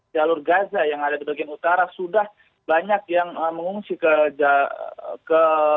jalur gaza yang ada di bagian utara sudah banyak yang mengungsi ke